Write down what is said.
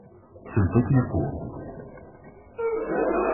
Sel-d akken iqwem.